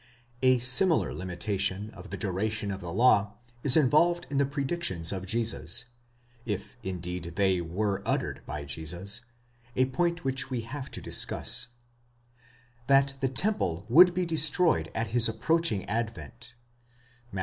A similar limitation of the duration of the law is involved in the pre dictions of Jesus (if indeed they were uttered by Jesus, a point which we have to discuss), that the temple would be destroyed at his approaching advent (Matt.